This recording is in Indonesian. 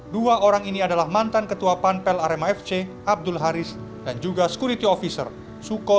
dua orang ini adalah mantan ketua panpel arema fc abdul haris dan juga security officer suko